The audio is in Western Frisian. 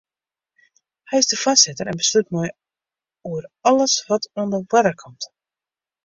Hy is de foarsitter en beslút mei oer alles wat oan de oarder komt.